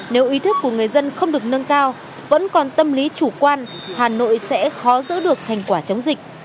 nếu ý thức của người dân không được nâng cao vẫn còn tâm lý chủ quan hà nội sẽ khó giữ được thành quả chống dịch